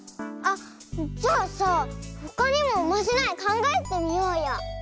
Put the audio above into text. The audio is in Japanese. あっじゃあさほかにもおまじないかんがえてみようよ。